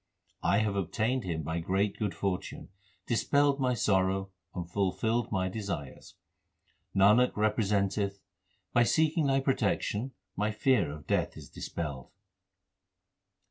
1 have obtained Him by great good fortune, dispelled my sorrow, and fulfilled my desires. Nanak representeth, by seeking Thy protection my fear of Death is dispelled.